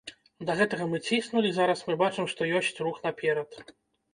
Да гэтага мы ціснулі, зараз мы бачым, што ёсць рух наперад.